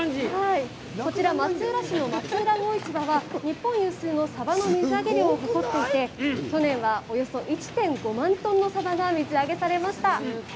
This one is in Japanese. こちら、松浦市の松浦魚市場は日本有数のサバの水揚げ量を誇っていて去年はおよそ１．５万トンのサバが水揚げされました。